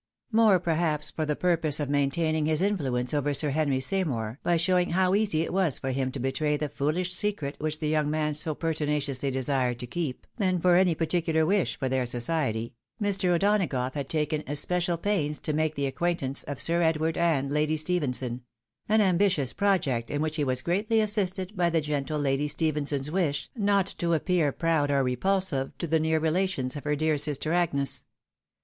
More, perhaps, for the purpose of maintaining his influence over Sir Henry Seymour, by showing how easy it was for him to betray the foolish secret which the young man so pertinaciously desired to keep, than for any particular wish for their society, Mr. O'Donagough had taken especial pains to make the ac quaintance of Sir Edward and Lady Stephenson ; an ambitious project in which he was greatly assisted by the gentle Lady Stephenson's wish not to appear proud or repulsive to the near relations of her dear sister Agnes.